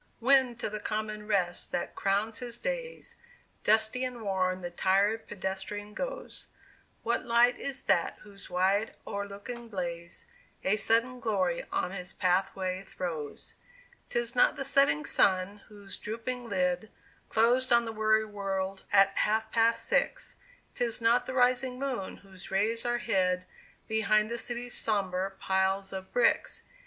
When to the common rest that crowns his days, Dusty and worn the tired pedestrian goes, What light is that whose wide o'erlooking blaze A sudden glory on his pathway throws? 'Tis not the setting sun, whose drooping lid Closed on the weary world at half past six; 'Tis not the rising moon, whose rays are hid Behind the city's sombre piles of bricks.